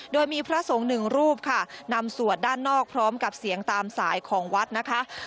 โดยมีพระสงฆ์หนึ่งรูปค่ะนำสวดด้านนอกพร้อมกับเสียงตามสายของวัดนะคะ